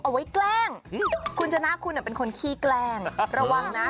เอาไว้แกล้งคุณชนะคุณเป็นคนขี้แกล้งระวังนะ